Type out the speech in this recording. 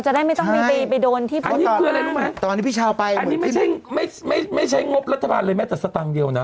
จะได้ไม่ต้องไปโดนที่เป็นเรื่องราวตอนนี้พี่เช้าไปเหมือนขึ้นอันนี้ไม่ใช่งบรัฐบาลเลยแม้แต่สตางค์เดียวนะ